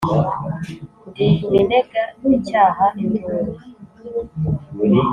Ndi Minega icyaha induru